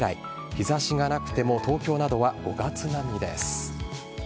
日差しがなくても東京などは５月並みです。